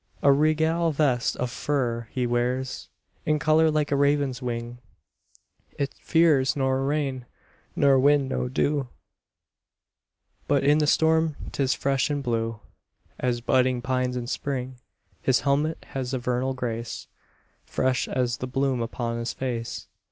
A regal vest of fur he wears, In colour like a raven's wing; It fears nor rain, nor wind, nor dew, But in the storm 'tis fresh and blue As budding pines in Spring; His helmet has a vernal grace, Fresh as the bloom upon his face.